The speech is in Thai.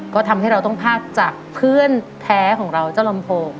ก็ทำให้เราต้องพลากจากเพื่อนแท้ของเราเจ้าลำโพง